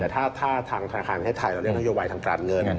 แต่ถ้าทางธนาคารประเทศไทยเราเรียกนโยบายทางการเงิน